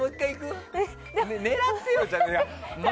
狙ってよ。